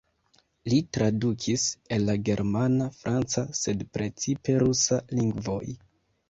Li tradukis el la germana, franca, sed precipe rusa lingvoj.